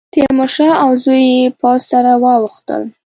تیمورشاه او زوی یې پوځ سره واوښتل.